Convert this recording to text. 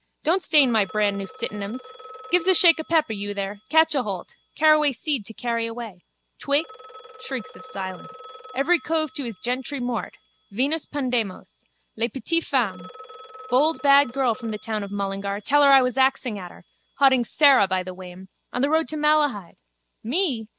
Don't stain my brandnew sitinems. Give's a shake of peppe, you there. Catch aholt. Caraway seed to carry away. Twig? Shrieks of silence. Every cove to his gentry mort. Venus Pandemos. Les petites femmes. Bold bad girl from the town of Mullingar. Tell her I was axing at her. Hauding Sara by the wame. On the road to Malahide. Me?